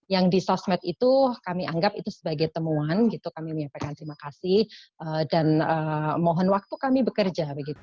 yang di sosmed itu kami anggap itu sebagai temuan kami menyampaikan terima kasih dan mohon waktu kami bekerja